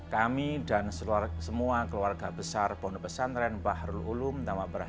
kami dan semua keluarga besar pohon pesantren bahru ulum dan wabarakatuh